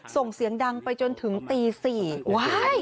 ส่งเสียงดังไปจนถึงตี๔ว้าย